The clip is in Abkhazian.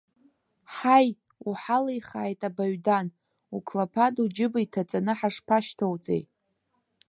Ҳаи, уҳалихааит абаҩдан, уқлаԥад уџьыба иҭаҵаны ҳашԥашьҭоуҵеи.